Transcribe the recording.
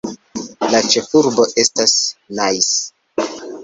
La ĉefurbo estas Nice.